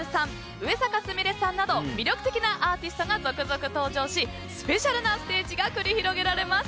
上坂すみれさんなど魅力的なアーティストが続々登場しスペシャルなステージが繰り広げられます。